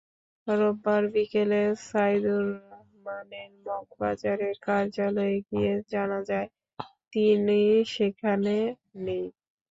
রোববার বিকেলে সাইদুর রহমানের মগবাজারের কার্যালয়ে গিয়ে জানা যায়, তিিন সেখানে নেই।